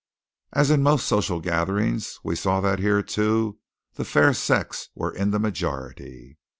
As in most social gatherings, we saw that here too the fair sex were in the majority.